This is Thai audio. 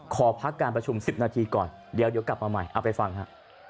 ขอพักการประชุม๑๐นาทีก่อนเดี๋ยวกลับมาใหม่เอาไปฟังฮะ